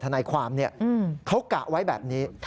ทนายความเขากะไว้แบบนี้